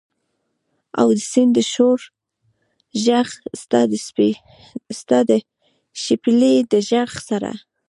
او د سیند د شور ږغ، ستا د شپیلۍ د ږغ سره